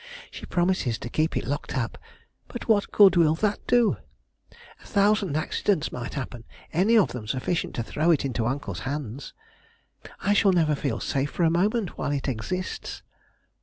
She promises to keep it locked up; but what good will that do! A thousand accidents might happen, any of them sufficient to throw it into uncle's hands. I shall never feel safe for a moment while it exists."